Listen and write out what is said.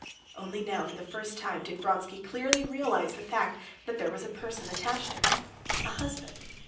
Only now for the first time did Vronsky realize clearly the fact that there was a person attached to her, a husband.